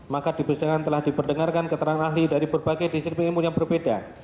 maka diberikan telah diperdengarkan keterangan ahli dari berbagai disiplin imun yang berbeda